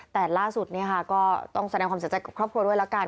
แต่ล่าสุดก็ต้องแสดงความเสียใจกับครอบครัวด้วยละกัน